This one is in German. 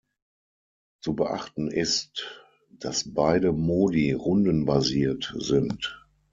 Zu beachten ist, dass beide Modi rundenbasiert sind.